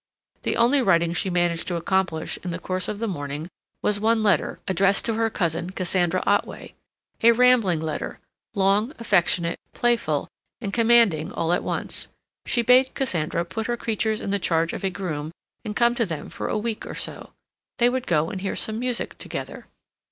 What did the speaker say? The only writing she managed to accomplish in the course of the morning was one letter, addressed to her cousin, Cassandra Otway—a rambling letter, long, affectionate, playful and commanding all at once. She bade Cassandra put her creatures in the charge of a groom, and come to them for a week or so. They would go and hear some music together.